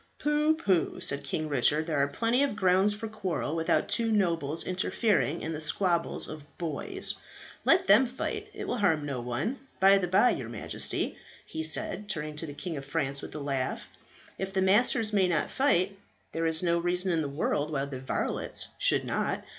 "Pooh, pooh," said King Richard, "there are plenty of grounds for quarrel without two nobles interfering in the squabbles of boys. Let them fight; it will harm no one. By the bye, your Majesty," he said, turning to the King of France with a laugh, "if the masters may not fight, there is no reason in the world why the varlets should not.